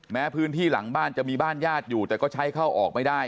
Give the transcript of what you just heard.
แม้พื้นที่หลังบ้านจะมีบ้านญาติอยู่แต่ก็ใช้เข้าออกไม่ได้